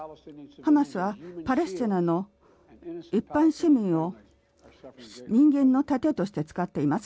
ハマスはパレスチナの一般市民を人間の盾として使っています。